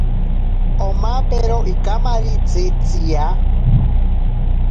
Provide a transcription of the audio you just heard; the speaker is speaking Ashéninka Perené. Omapero ikamaritzi tsiya.